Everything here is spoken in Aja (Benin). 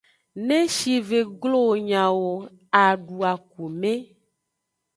Ne shive glo wo nyawo, adu akume.